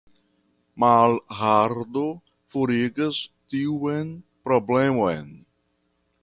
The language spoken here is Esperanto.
Malhardo forigas tiun problemon.